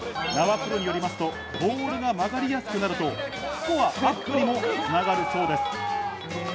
プロによりますと、ボールが曲がりやすくなるとスコアアップにもつながるそうです。